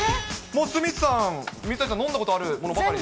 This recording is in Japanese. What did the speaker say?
もう鷲見さん、水谷さん、飲んだことあるものばかり？